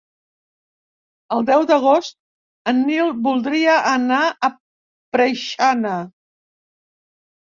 El deu d'agost en Nil voldria anar a Preixana.